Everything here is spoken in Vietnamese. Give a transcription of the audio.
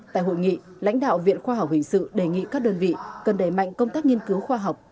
tại hội nghị lãnh đạo viện khoa học hình sự đề nghị các đơn vị cần đẩy mạnh công tác nghiên cứu khoa học